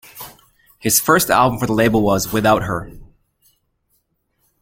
His first album for the label was "Without Her".